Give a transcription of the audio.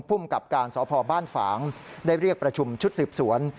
ภูมิกับการสพบ้านฝางได้เรียกประชุมชุดสืบสวน